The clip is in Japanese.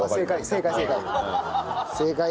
正解正解。